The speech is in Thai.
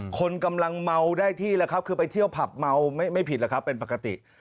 คนกำลังเมาได้ที่แล้วครับคือไปเที่ยวผับเมาไม่ผิดแล้วครับเป็นปกติ